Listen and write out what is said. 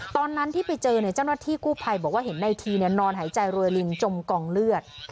ตอนนั้นที่ไปเจอเจ้าหน้าที่กู้ภัยบอกว่าเห็นในทีนอนหายใจรวยลิงจมกองเลือด